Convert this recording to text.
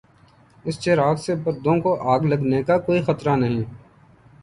اس چراغ سے پردوں کو آگ لگنے کا کوئی خطرہ نہیں۔